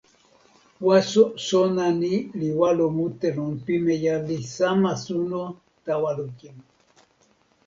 waso sona ni li walo mute lon pimeja li sama suno tawa lukin.